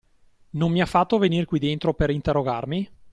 Non mi ha fatto venir qui dentro, per interrogarmi?